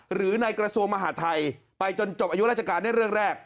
หรือในกระทรวงมหาทัยไปจนจบอายุราชการได้เรื่องแรก